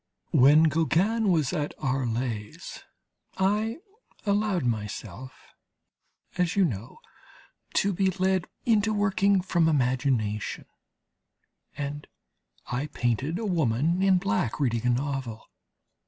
When Gauguin was at Arles I allowed myself, as you know, to be led into working from imagination, and I painted a woman in black reading a novel.